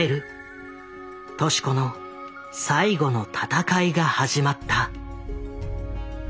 敏子の最後の闘いが始まった。